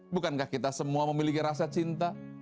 bukankah kita semua memiliki rasa cinta